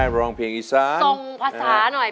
โปรดต่อไป